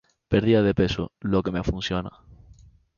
Pérdida de peso: Lo que me funciona